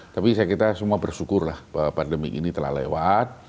tapi kita semua bersyukur lah bahwa pandemik ini telah lewat